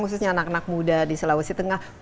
khususnya anak anak muda di sulawesi tengah